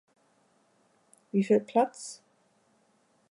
Wieviel Platz?